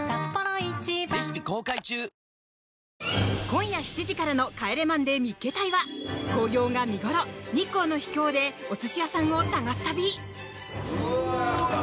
今夜７時からの「帰れマンデー見っけ隊！！」は紅葉が見ごろ、日光の秘境でお寿司屋さんを探す旅！